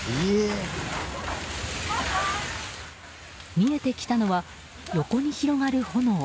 見えてきたのは、横に広がる炎。